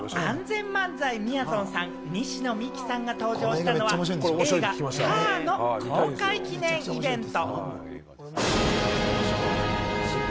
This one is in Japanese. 昨日、ＡＮＺＥＮ漫才・みやぞんさん、西野未姫さんが登場したのは、映画『ＴＡＲター』の公開記念イベント。